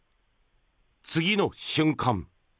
次の瞬間。